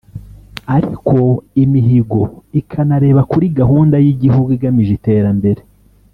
Ariko imihigo ikanareba kuri gahunda y’igihugu igamije iterambere